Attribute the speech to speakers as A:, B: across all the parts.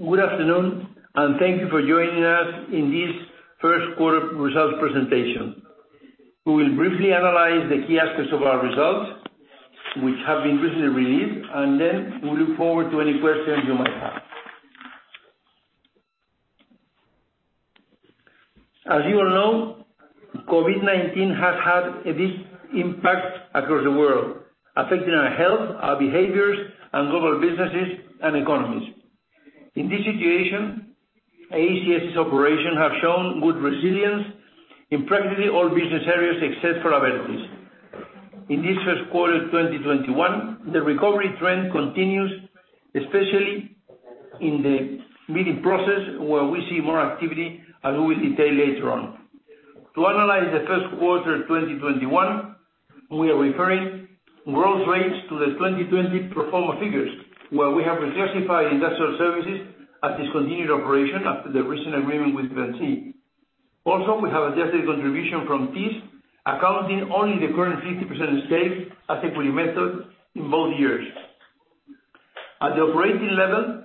A: Good afternoon. Thank you for joining us in this first quarter results presentation. We will briefly analyze the key aspects of our results, which have been recently released. Then we look forward to any questions you might have. As you all know, COVID-19 has had a big impact across the world, affecting our health, our behaviors, and global businesses and economies. In this situation, ACS's operations have shown good resilience in practically all business areas except for Abertis. In this first quarter of 2021, the recovery trend continues, especially in the bidding process, where we see more activity, as we will detail later on. To analyze the first quarter 2021, we are referring growth rates to the 2020 pro forma figures, where we have reclassified industrial services as discontinued operation after the recent agreement with Vinci. Also, we have adjusted contribution from Thiess, accounting only the current 50% stake as equity method in both years. At the operating level,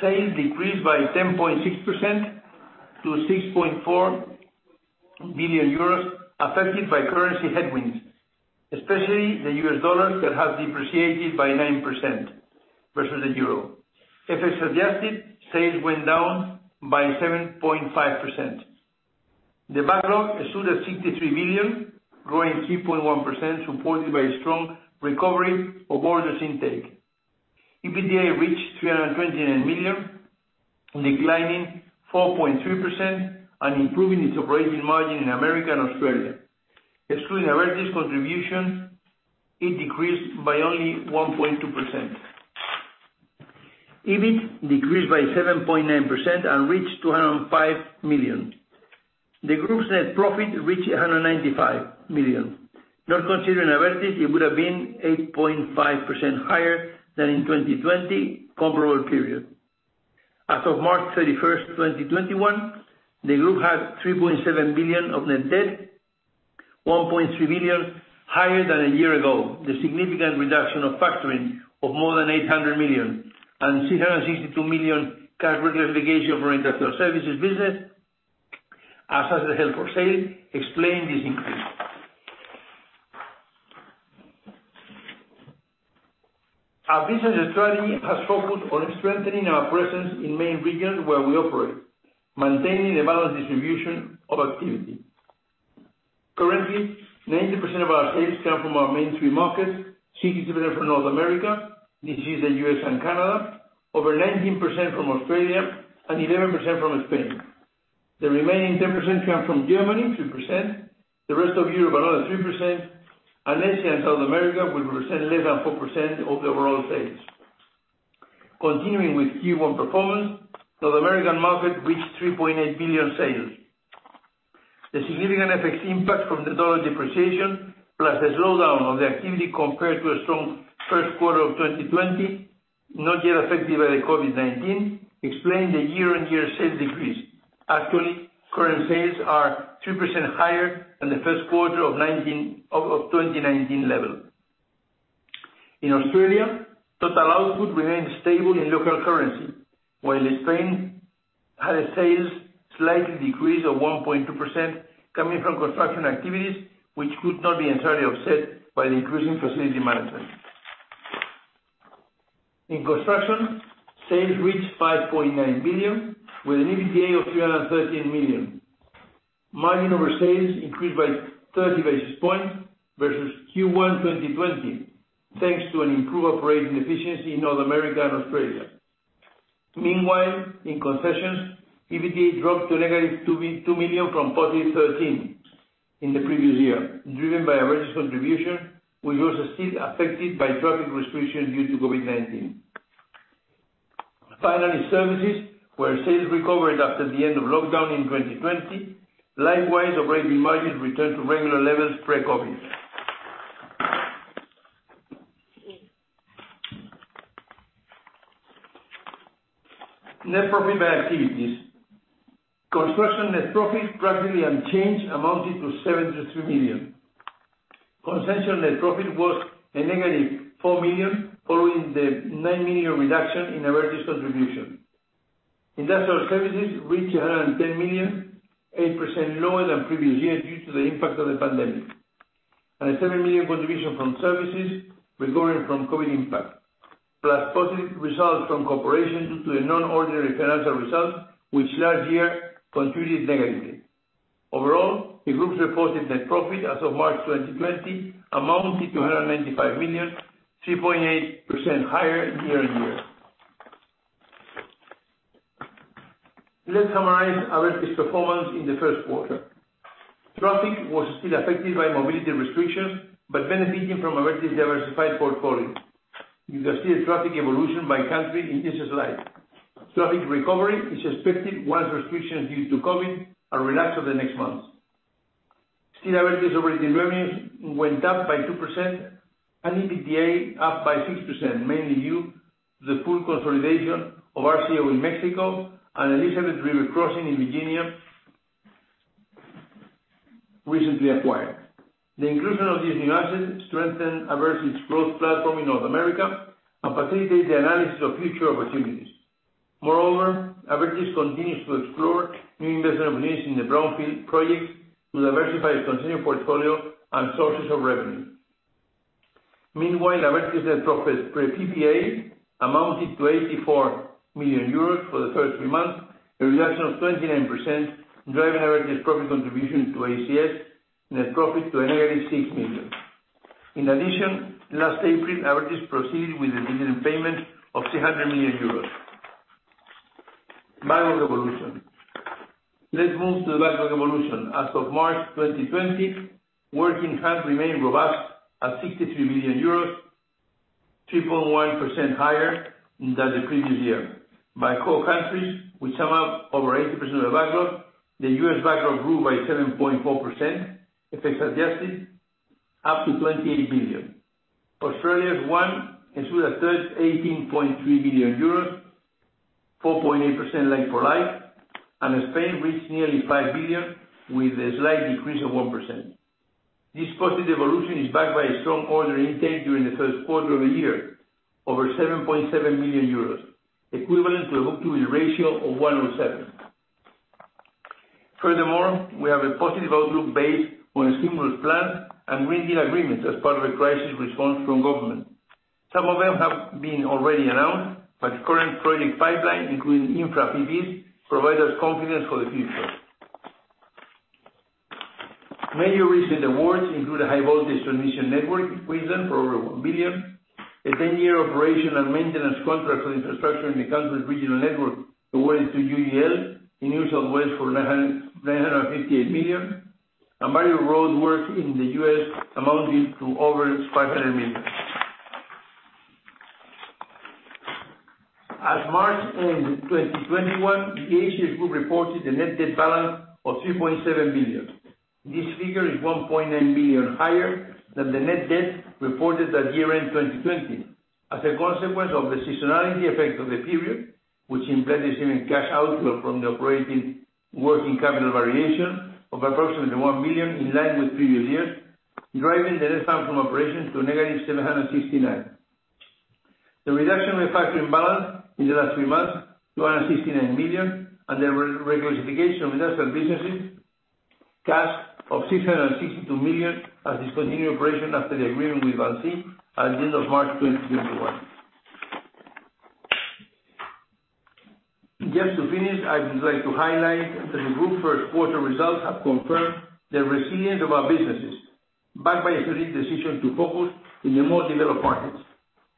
A: sales decreased by 10.6% to 6.4 billion euros, affected by currency headwinds, especially the US dollar, that has depreciated by 9% versus the euro. FX adjusted, sales went down by 7.5%. The backlog stood at 63 billion, growing 3.1%, supported by strong recovery of orders intake. EBITDA reached 329 million, declining 4.3% and improving its operating margin in America and Australia. Excluding Abertis' contribution, it decreased by only 1.2%. EBIT decreased by 7.9% and reached 205 million. The group's net profit reached 195 million. Not considering Abertis, it would have been 8.5% higher than in 2020 comparable period. As of March 31, 2021, the group had 3.7 billion of net debt, 1.3 billion higher than a year ago. The significant reduction of factoring of more than 800 million and 662 million cash reclassification from our industrial services business, as asset held for sale, explain this increase. Our business strategy has focused on strengthening our presence in main regions where we operate, maintaining a balanced distribution of activity. Currently, 90% of our sales come from our main three markets, 67% from North America, this is the U.S. and Canada, over 19% from Australia, and 11% from Spain. The remaining 10% come from Germany, 3%, the rest of Europe, another 3%, and Asia and South America will represent less than 4% of the overall sales. Continuing with Q1 performance, North American market reached 3.8 billion sales. The significant FX impact from the U.S. dollar depreciation, plus the slowdown of the activity compared to a strong first quarter of 2020, not yet affected by the COVID-19, explain the year-on-year sales decrease. Actually, current sales are 3% higher than the first quarter of 2019 level. In Australia, total output remained stable in local currency, while in Spain had a sales slight decrease of 1.2% coming from construction activities, which could not be entirely offset by the increase in facility management. In construction, sales reached 5.9 billion, with an EBITDA of 313 million. Margin over sales increased by 30 basis points versus Q1 2020, thanks to an improved operating efficiency in North America and Australia. Meanwhile, in concessions, EBITDA dropped to negative 2 million from positive 13 million in the previous year, driven by Abertis contribution, which was still affected by traffic restrictions due to COVID-19. Finally, services, where sales recovered after the end of lockdown in 2020. Likewise, operating margins returned to regular levels pre-COVID. Net profit by activities. Construction net profit practically unchanged, amounting to 73 million. Concession net profit was a negative 4 million, following the 9 million reduction in Abertis contribution. Industrial services reached 110 million, 8% lower than previous year due to the impact of the pandemic. A 7 million contribution from services recovering from COVID impact, plus positive results from corporations due to a non-ordinary financial result, which last year contributed negatively. Overall, the group's reported net profit as of March 2020 amounted to 195 million, 3.8% higher year-on-year. Let's summarize Abertis performance in the first quarter. Traffic was still affected by mobility restrictions, but benefiting from Abertis' diversified portfolio. You can see the traffic evolution by country in this slide. Traffic recovery is expected once restrictions due to COVID are relaxed over the next months. Abertis operating revenues went up by 2% and EBITDA up by 6%, mainly due to the full consolidation of RCO in Mexico and Elizabeth River Crossing in Virginia, recently acquired. The inclusion of these new assets strengthen Abertis' growth platform in North America, facilitate the analysis of future opportunities. Abertis continues to explore new investment opportunities in the brownfield projects to diversify its continued portfolio and sources of revenue. Abertis net profit pre-PPA amounted to 84 million euros for the first three months, a reduction of 29%, driving Abertis' profit contribution to ACS net profit to a negative 6 million. Last April, Abertis proceeded with the dividend payment of 300 million euros. Backlog evolution. Let's move to the backlog evolution. As of March 2020, working capital remained robust at 63 million euros, 3.1% higher than the previous year. By core countries, which sum up over 80% of the backlog, the U.S. backlog grew by 7.4%, effects adjusted, up to EUR 28 billion. Australia's one, €18.3 billion, 4.8% like-for-like. Spain reached nearly 5 billion with a slight decrease of 1%. This positive evolution is backed by a strong order intake during the first quarter of the year, over €7.7 billion, equivalent to a book-to-bill ratio of 107. Furthermore, we have a positive outlook based on a stimulus plan and Green Deal agreements as part of a crisis response from government. Some of them have been already announced. The current project pipeline, including infra PPPs, provide us confidence for the future. Major recent awards include a high voltage transmission network in Queensland for over 1 billion, a 10-year operation and maintenance contract for infrastructure in the country's regional network awarded to UGL in New South Wales for 958 million, and various roadworks in the U.S. amounting to over 500 million. As March ended 2021, the ACS Group reported a net debt balance of 3.7 billion. This figure is 1.9 billion higher than the net debt reported at year-end 2020. As a consequence of the seasonality effect of the period, which implied assuming cash outflow from the operating working capital variation of approximately 1 billion in line with previous years, driving the net debt from operations to negative 769. The reduction in factoring balance in the last three months to 169 million, the reclassification of industrial businesses, cash of 662 million as discontinued operation after the agreement with Vinci at the end of March 2021. Just to finish, I'd like to highlight that the group first quarter results have confirmed the resilience of our businesses, backed by a strategic decision to focus in the more developed markets.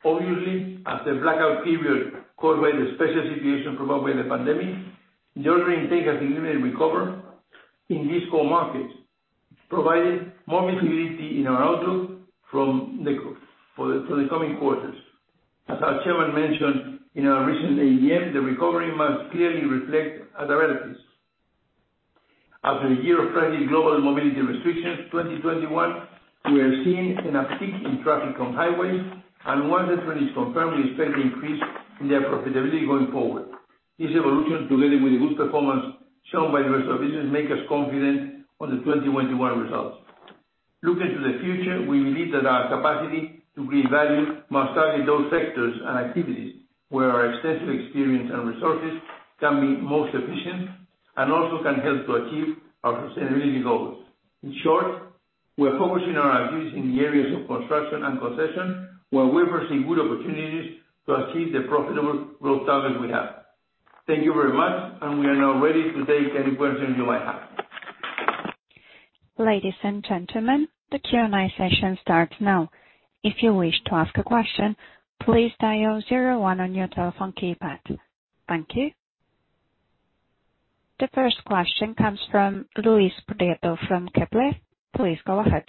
A: Obviously, after the blackout period caused by the special situation brought by the pandemic, the order intake has significantly recovered in these core markets, providing more visibility in our outlook for the coming quarters. As our chairman mentioned in our recent AGM, the recovery must clearly reflect at Abertis. After a year of frantic global mobility restrictions, 2021, we are seeing an uptick in traffic on highways, is confirming sustained increase in their profitability going forward. This evolution, together with the good performance shown by the rest of business, make us confident on the 2021 results. Looking to the future, we believe that our capacity to create value must target those sectors and activities where our extensive experience and resources can be most efficient and also can help to achieve our sustainability goals. In short, we are focusing our activities in the areas of construction and concession, where we perceive good opportunities to achieve the profitable growth targets we have. Thank you very much. We are now ready to take any questions you might have.
B: Ladies and gentlemen, the Q&A session starts now. If you wish to ask a question, please dial zero one on your telephone keypad. Thank you. The first question comes from Luis Prieto from Kepler. Please go ahead.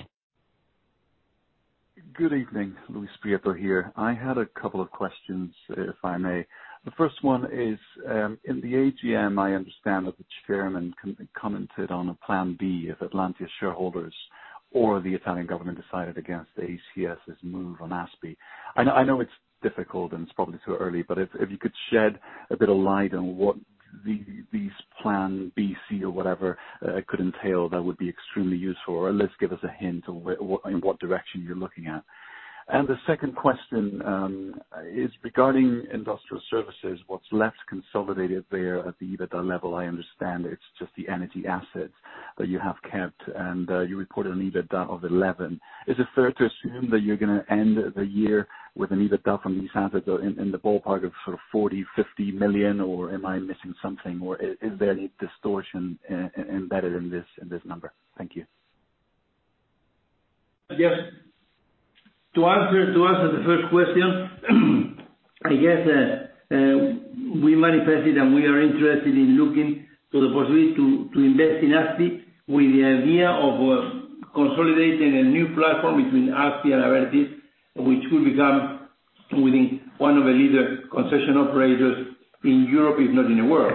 C: Good evening, Luis Prieto here. I had a couple of questions, if I may. The first one is, in the AGM, I understand that the chairman commented on a plan B if Atlantia shareholders or the Italian government decided against the ACS's move on ASPI. It's difficult, and it's probably too early, but if you could shed a bit of light on what these plan B, C, or whatever could entail, that would be extremely useful. At least give us a hint in what direction you're looking at. The second question is regarding industrial services. What's left consolidated there at the EBITDA level? I understand it's just the energy assets that you have kept, and you reported an EBITDA of 11. Is it fair to assume that you're going to end the year with an EBITDA from these assets are in the ballpark of sort of 40 million-50 million, or am I missing something? Or is there any distortion embedded in this number? Thank you.
A: Yes. To answer the first question, I guess, we manifested that we are interested in looking to the possibility to invest in Aspi with the idea of consolidating a new platform between Aspi and Abertis, which will become within one of the leader concession operators in Europe, if not in the world.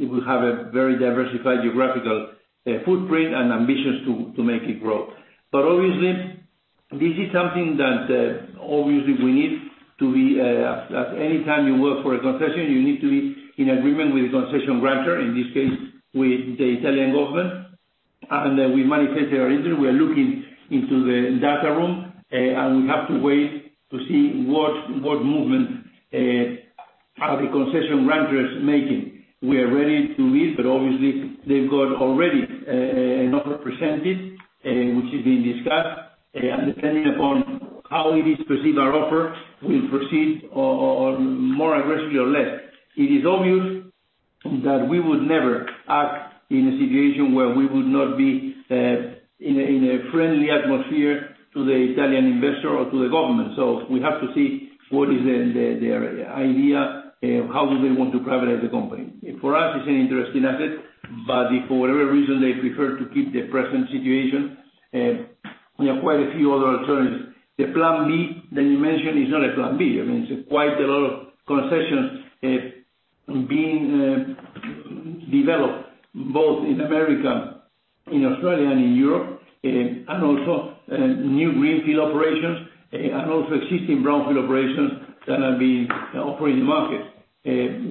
A: It will have a very diversified geographical footprint and ambitions to make it grow. This is something that, obviously, we need to be at any time you work for a concession, you need to be in agreement with the concession grantor, in this case, with the Italian government. We manifested our interest. We are looking into the data room, and we have to wait to see what movement are the concession grantors making. We are ready to lead, but obviously, they've got already an offer presented, which is being discussed. Depending upon how it is perceived, our offer will proceed more aggressively or less. It is obvious that we would never act in a situation where we would not be in a friendly atmosphere to the Italian investor or to the government. We have to see what is their idea, how do they want to privatize the company. For us, it's an interesting asset, but if for whatever reason, they prefer to keep the present situation, we have quite a few other alternatives. The plan B that you mentioned is not a plan B. It's quite a lot of concessions being developed, both in America, in Australia, and in Europe, and also new greenfield operations, and also existing brownfield operations that are being operating in the market.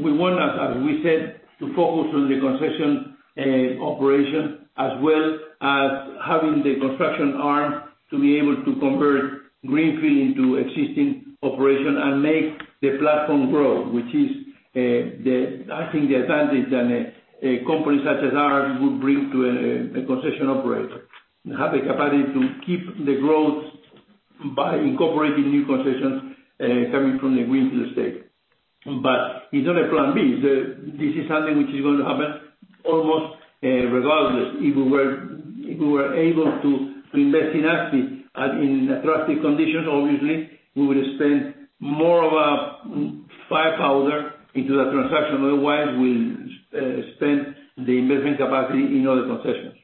A: We want, as we said, to focus on the concession operation as well as having the construction arm to be able to convert greenfield into existing operation and make the platform grow, which is, I think, the advantage that a company such as ours would bring to a concession operator. Have the capacity to keep the growth by incorporating new concessions coming from the greenfield state. It's not a plan B. This is something which is going to happen almost regardless. If we were able to invest in assets in attractive conditions, obviously, we would spend more of our gunpowder into that transaction. Otherwise, we'll spend the investment capacity in other concessions.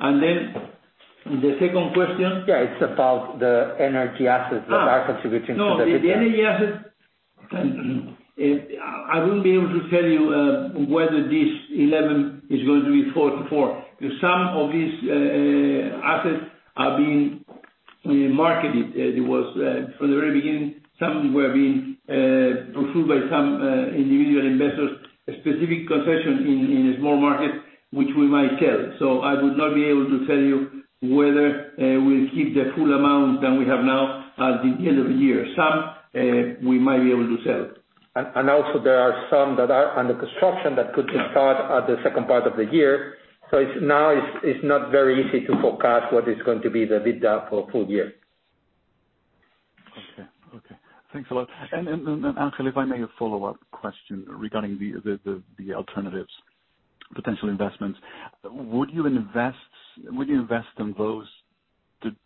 A: The second question?
D: Yeah, it's about the energy assets that are contributing to the EBITDA.
A: No, the energy asset, I wouldn't be able to tell you whether this 11 is going to be 44. Some of these assets are being marketed. From the very beginning, some were being pursued by some individual investors, specific concession in a small market, which we might sell. I would not be able to tell you whether we'll keep the full amount that we have now at the end of the year. Some, we might be able to sell.
D: Also there are some that are under construction that could start at the second part of the year. Now it's not very easy to forecast what is going to be the EBITDA for full year.
C: Okay. Thanks a lot. Ángel, if I may, a follow-up question regarding the alternatives, potential investments. Would you invest in those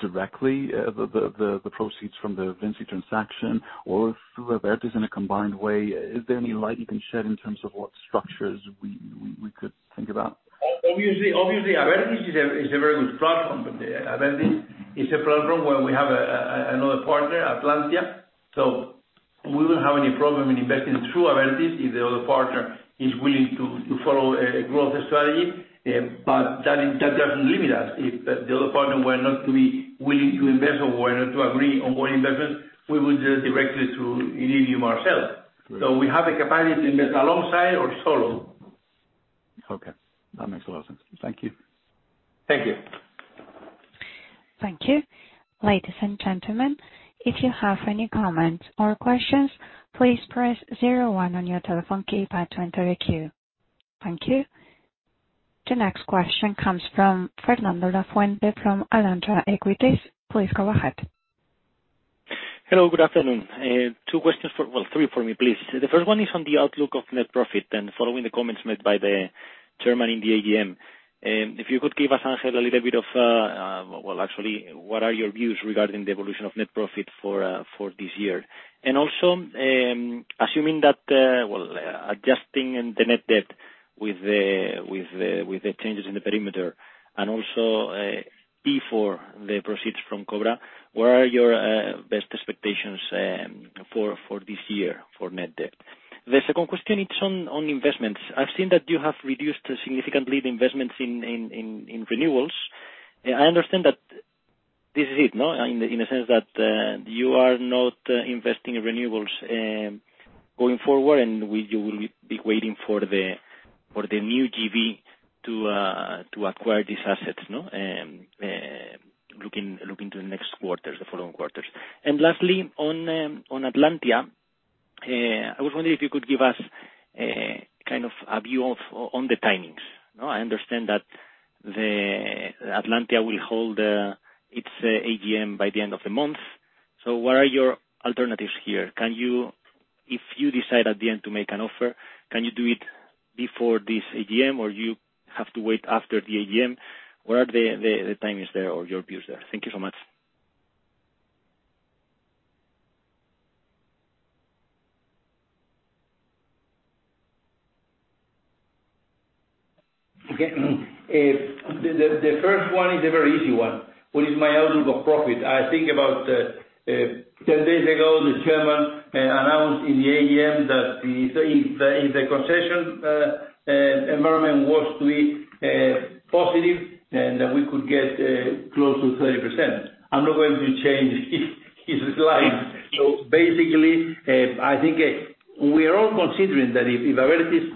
C: directly, the proceeds from the Vinci transaction, or through Abertis in a combined way? Is there any light you can shed in terms of what structures we could think about?
A: Obviously, Abertis is a very good platform. Abertis is a platform where we have another partner, Atlantia, so we wouldn't have any problem in investing through Abertis if the other partner is willing to follow a growth strategy. That doesn't limit us. If the other partner were not to be willing to invest or were not to agree on more investment, we would do it directly through Iridium ourselves.
C: Great.
A: We have the capacity to invest alongside or solo.
C: Okay. That makes a lot of sense. Thank you.
A: Thank you.
B: Thank you. Ladies and gentlemen, if you have any comments or questions, please press zero one on your telephone keypad to enter the queue. Thank you. The next question comes from Fernando Lafuente from Alantra Equities. Please go ahead.
E: Hello, good afternoon. Two questions for, well, three for me, please. The first one is on the outlook of net profit following the comments made by the chairman in the AGM. If you could give us, Ángel, a little bit of, well, actually, what are your views regarding the evolution of net profit for this year? Also, assuming that, well, adjusting the net debt with the changes in the perimeter and also, before the proceeds from Cobra, where are your best expectations for this year for net debt? The second question, it's on investments. I've seen that you have reduced significantly the investments in renewables. I understand that this is it, no? In the sense that you are not investing in renewables, going forward, and you will be waiting for the new JV to acquire these assets, no? Looking to the next quarters, the following quarters. Lastly, on Atlantia, I was wondering if you could give us kind of a view on the timings. I understand that Atlantia will hold its AGM by the end of the month. What are your alternatives here? If you decide at the end to make an offer, can you do it before this AGM, or you have to wait after the AGM? What are the timings there or your views there? Thank you so much.
A: Okay. The first one is a very easy one. What is my outlook of profit? I think about 10 days ago, the chairman in the AGM that if the concession environment was to be positive, then we could get close to 30%. I'm not going to change his slide. Basically, I think we are all considering that if Abertis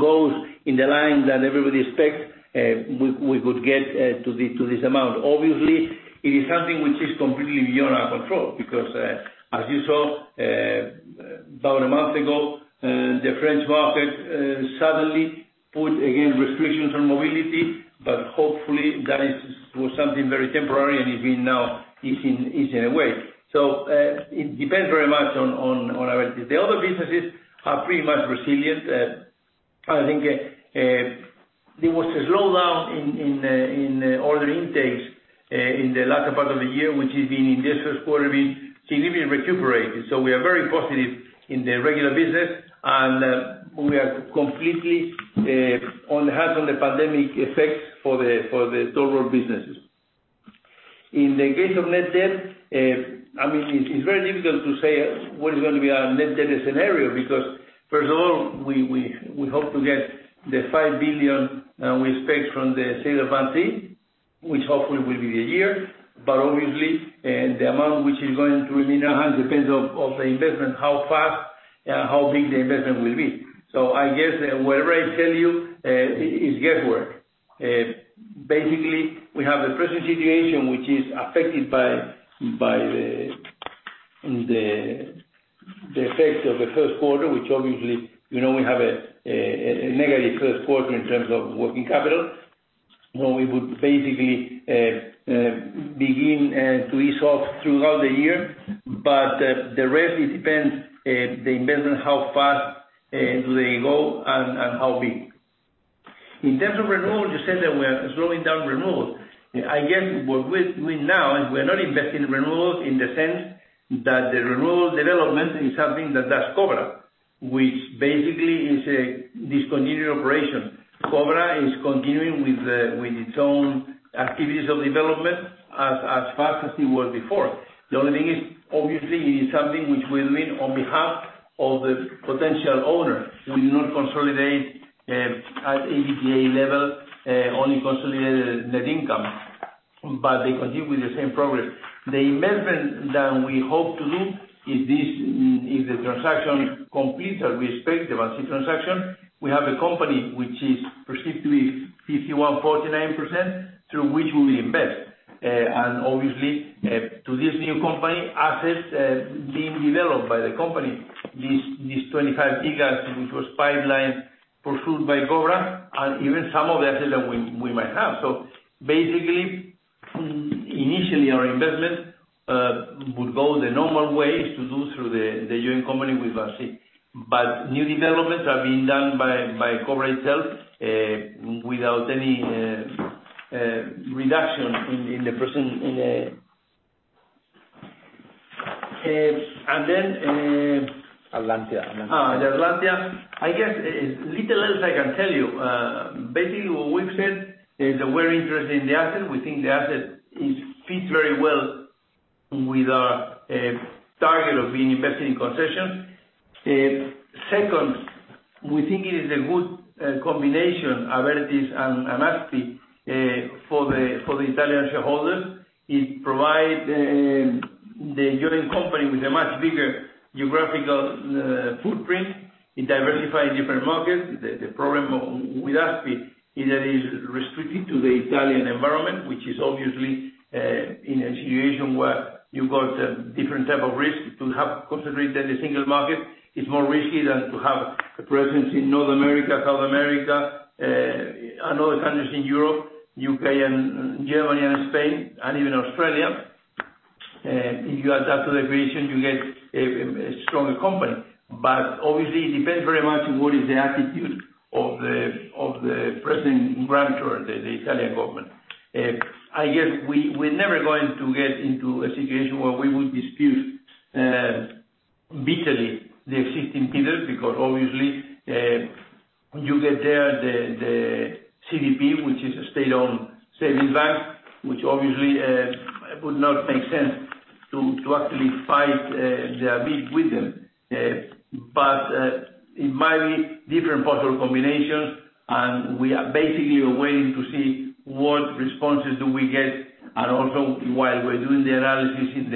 A: goes in the line that everybody expects, we could get to this amount. Obviously, it is something which is completely beyond our control because, as you saw about a month ago, the French market suddenly put again restrictions on mobility, hopefully that was something very temporary and is now easing away. It depends very much on Abertis. The other businesses are pretty much resilient. I think there was a slowdown in order intakes in the latter part of the year, which has been in this first quarter being significantly recuperated. We are very positive in the regular business, and we are completely on the pandemic effects for the total businesses. In the case of net debt, it is very difficult to say what is going to be our net debt scenario because, first of all, we hope to get the $5 billion we expect from the sale of Vinci, which hopefully will be the year. Obviously, the amount which is going to remain depends on the investment, how fast and how big the investment will be. I guess whatever I tell you is guesswork. We have the present situation, which is affected by the effects of the first quarter, which obviously we have a negative first quarter in terms of working capital, when we would basically begin to ease off throughout the year. The rest depends on the investment, how fast do they go and how big. In terms of renewables, you said that we are slowing down renewables. I guess we are not investing in renewables in the sense that the renewables development is something that does Cobra, which basically is a discontinued operation. Cobra is continuing with its own activities of development as fast as it was before. The only thing is, obviously, it is something which we are doing on behalf of the potential owner. We do not consolidate at Abertis level, only consolidated net income. They continue with the same progress. The investment that we hope to do if the transaction completes that we expect, the Vinci transaction, we have a company which is presumably 51%, 49%, through which we will invest. Obviously, to this new company, assets being developed by the company, these 25 GW, which was pipelined, pursued by Cobra and even some of the assets that we might have. Basically, initially, our investment would go the normal way, is to do through the joint company with Vinci. New developments are being done by Cobra itself, without any reduction in the present.
D: Atlantia
A: Atlantia. I guess, little else I can tell you. Basically, what we've said is that we're interested in the asset. We think the asset fits very well with our target of being invested in concession. Second, we think it is a good combination, Abertis and Aspi, for the Italian shareholders. It provides the joint company with a much bigger geographical footprint. It diversifies different markets. The problem with Aspi is that it is restricted to the Italian environment, which is obviously in a situation where you've got a different type of risk to have concentrated in a single market. It's more risky than to have a presence in North America, South America, and other countries in Europe, U.K., and Germany and Spain and even Australia. If you add that to the equation, you get a stronger company. Obviously, it depends very much on what is the attitude of the present grantor, the Italian government. I guess we're never going to get into a situation where we will dispute bitterly the existing bidders, because obviously, you get there, the CDP, which is a state-owned savings bank, which obviously would not make sense to actually fight the bid with them. It might be different possible combinations, and we are basically waiting to see what responses do we get and also while we're doing the analysis in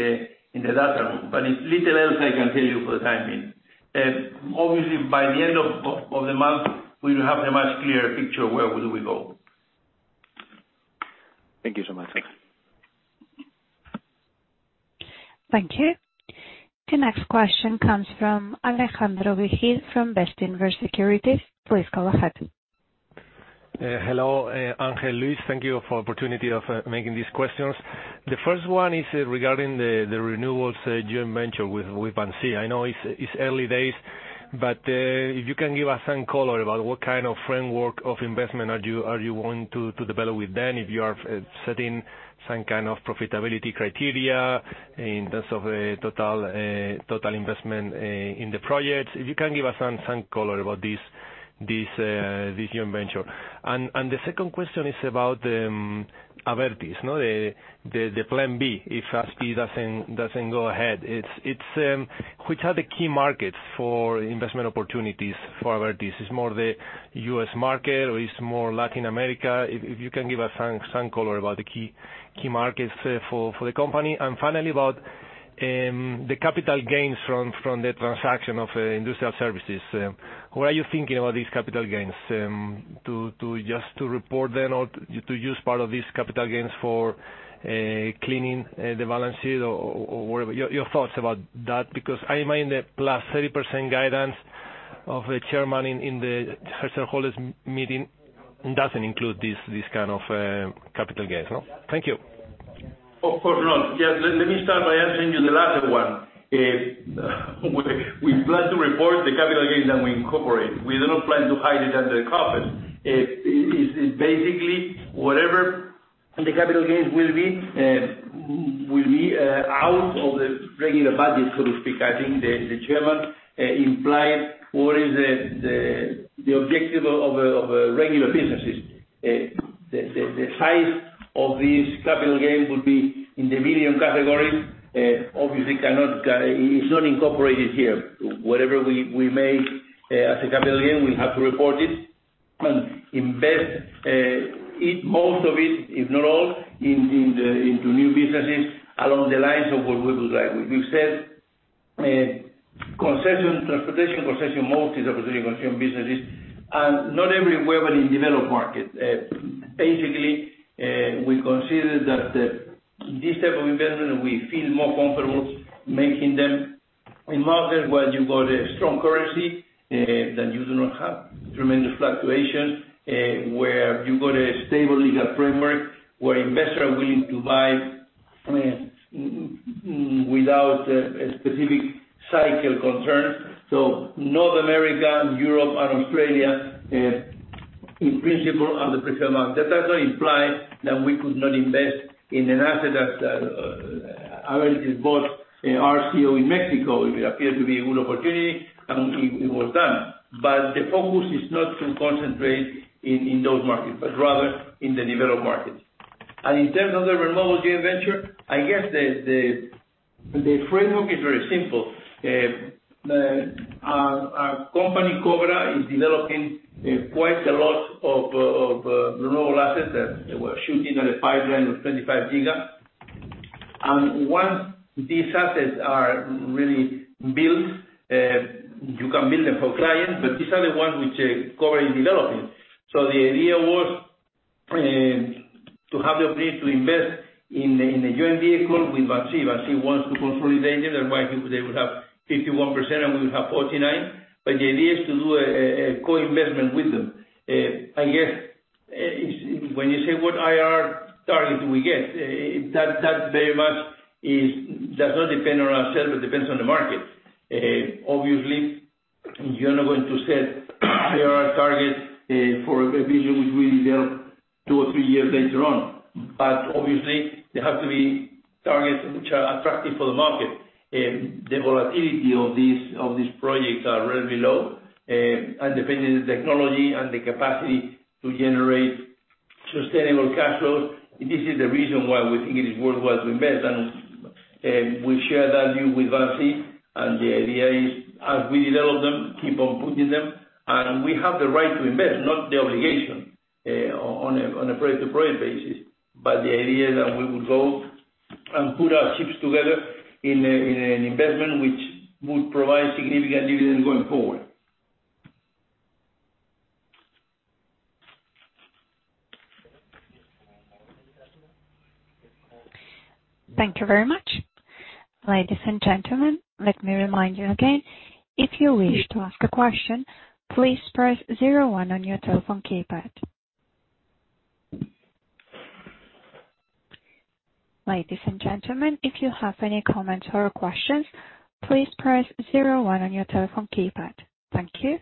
A: the data room. It's little else I can tell you for the time being. Obviously, by the end of the month, we will have a much clearer picture where do we go.
E: Thank you so much.
A: Thanks.
B: Thank you. The next question comes from Alejandro Vigil from Bestinver Securities. Please go ahead.
F: Hello, Ángel. Thank you for opportunity of making these questions. The first one is regarding the renewables joint venture with Vinci. I know it's early days, if you can give us some color about what kind of framework of investment are you wanting to develop with them, if you are setting some kind of profitability criteria in terms of total investment in the project? If you can give us some color about this. This joint venture. The second question is about Abertis. The plan B, if ASPI doesn't go ahead. Which are the key markets for investment opportunities for Abertis? Is it more in the U.S. market or is it more in Latin America? If you can give some color about the key markets for the company. Finally, about the capital gains from the transaction of Industrial Services. What are you thinking about these capital gains? To just report them or to use part of these capital gains for cleaning the balance sheet or whatever. Your thoughts about that, because I imagine the +30% guidance of the Chairman in the shareholders meeting doesn't include this kind of capital gains. Thank you.
A: Of course, not. Let me start by answering you the last one. We plan to report the capital gains that we incorporate. We do not plan to hide it under the carpet. Basically, whatever the capital gains will be, will be out of the regular budget, so to speak. I think the chairman implied what is the objective of a regular businesses. The size of these capital gains would be in the medium category. Obviously, it's not incorporated here. Whatever we make as a capital gain, we have to report it and invest most of it, if not all, into new businesses along the lines of what we would like. We've said transportation concession, mostly the Brazilian concession businesses, not everywhere but in developed markets. We consider that this type of investment, we feel more comfortable making them in markets where you've got a strong currency, that you do not have tremendous fluctuations, where you've got a stable legal framework, where investors are willing to buy without a specific cycle concern. North America, Europe, and Australia in principle are the preferred markets. That does not imply that we could not invest in an asset that Abertis bought RCO in Mexico. If it appeared to be a good opportunity, it was done. The focus is not to concentrate in those markets, but rather in the developed markets. In terms of the renewables joint venture, I guess the framework is very simple. Our company, Cobra, is developing quite a lot of renewable assets that we're shooting at a pipeline of 25 GW. Once these assets are really built, you can build them for clients, but these are the ones which Cobra is developing. The idea was to have the ability to invest in a joint vehicle with Vinci. Vinci wants to consolidate them, that's why they would have 51% and we would have 49%. The idea is to do a co-investment with them. I guess, when you say what IRR target we get, that very much does not depend on ourselves, it depends on the market. Obviously, you're not going to set IRR targets for a vision which will be developed two or three years later on. Obviously, they have to be targets which are attractive for the market. The volatility of these projects are really low, depending on the technology and the capacity to generate sustainable cash flows, this is the reason why we think it is worthwhile to invest. We share that view with Vinci, and the idea is as we develop them, keep on putting them. We have the right to invest, not the obligation, on a project-to-project basis. The idea is that we would go and put our chips together in an investment which would provide significant dividends going forward.
B: Thank you very much. Ladies and gentlemen, let me remind you again, if you wish to ask a question, please press zero one on your telephone keypad. Ladies and gentlemen, if you have any comments or questions, please press zero one on your telephone keypad. Thank you.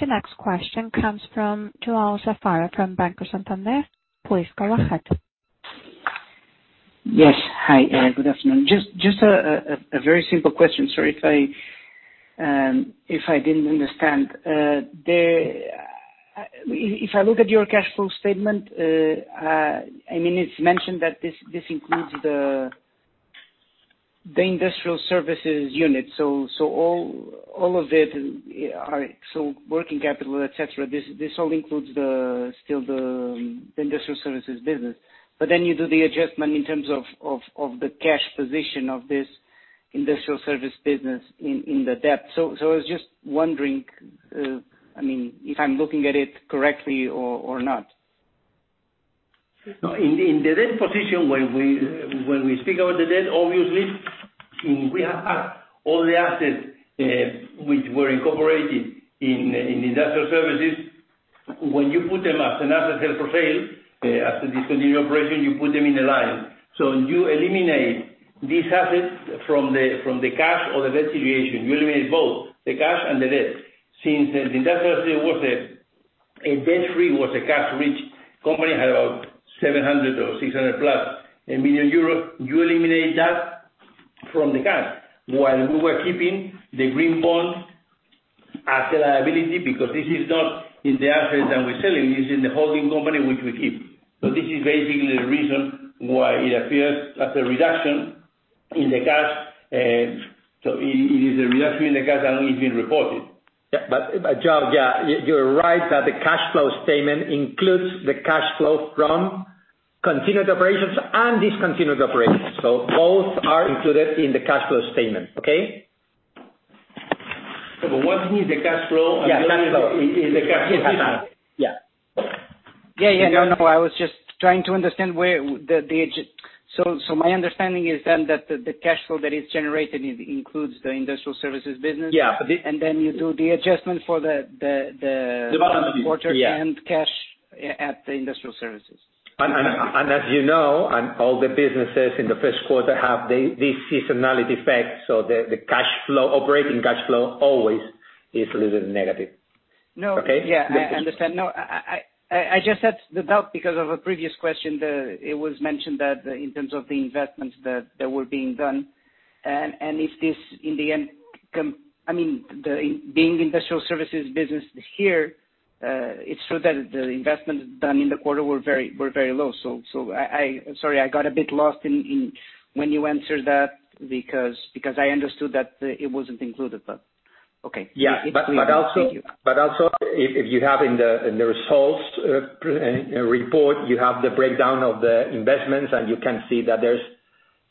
B: The next question comes from João Safara from Banco Santander. Please go ahead.
G: Yes. Hi, good afternoon. Just a very simple question, sorry if I didn't understand. If I look at your cash flow statement, it's mentioned that this includes the Industrial Services unit. All of it, so working capital, et cetera, this all includes still the Industrial Services business. You do the adjustment in terms of the cash position of this Industrial Services business in the debt. I was just wondering if I'm looking at it correctly or not.
A: No, in the debt position, when we speak about the debt, obviously, we have all the assets which were incorporated in Industrial Services. When you put them as an asset held for sale, as a discontinued operation, you put them in a line. You eliminate these assets from the cash or the debt situation. You eliminate both the cash and the debt. Since the Industrial still worth, eventually, it was a cash-rich company, had about 700 or 600+ million euros. You eliminate that from the cash, while we were keeping the green bond as a liability, because this is not in the assets that we're selling. This is the holding company which we keep. This is basically the reason why it appears as a reduction in the cash. It is a reduction in the cash and it's been reported.
D: Yeah, João, you're right that the cash flow statement includes the cash flow from continued operations and discontinued operations. Both are included in the cash flow statement. Okay?
G: One is the cash flow.
D: Yeah, cash flow.
G: the other is the cash-
D: Yeah.
G: Yeah. No, I was just trying to understand. My understanding is then that the cash flow that is generated includes the industrial services business?
D: Yeah.
G: Then you do the adjustment.
A: The bottom.
G: quarter-
D: Yeah
G: cash at the industrial services.
D: As you know, and all the businesses in the first quarter have this seasonality effect. The operating cash flow always is a little negative.
G: No.
D: Okay?
G: Yeah, I understand. No, I just had the doubt because of a previous question. It was mentioned that in terms of the investments that were being done, and if this, in the end, being industrial services business here, it's true that the investments done in the quarter were very low. Sorry, I got a bit lost when you answered that because I understood that it wasn't included, but okay.
D: Yeah. Also, if you have in the results report, you have the breakdown of the investments, and you can see that there's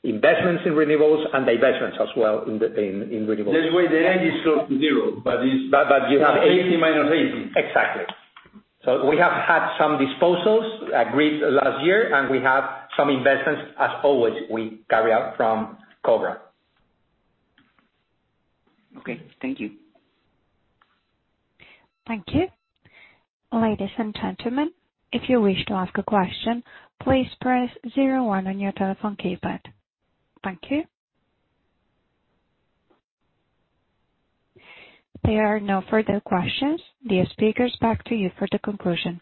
D: investments in renewables and divestments as well in renewables.
A: That's why the end is close to zero, but it's.
D: you have-
A: 80 minus 80.
D: Exactly. We have had some disposals agreed last year, and we have some investments, as always, we carry out from Cobra.
G: Okay. Thank you.
B: Thank you. Ladies and gentlemen, if you wish to ask a question, please press zero one on your telephone keypad. Thank you. There are no further questions. Dear speakers, back to you for the conclusion.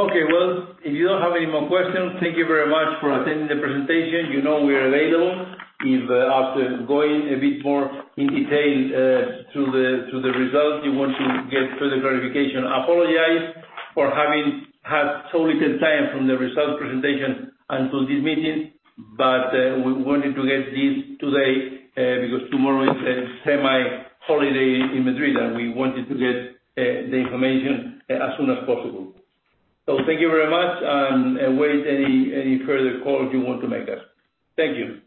A: Well, if you don't have any more questions, thank you very much for attending the presentation. You know we are available if after going a bit more in detail to the results, you want to get further clarification. I apologize for having had so little time from the results presentation until this meeting, but we wanted to get this today because tomorrow is a semi-holiday in Madrid, and we wanted to get the information as soon as possible. Thank you very much, and await any further call if you want to make us. Thank you.